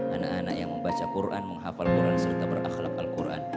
anak anak yang membaca quran menghafal quran serta berakhlak al quran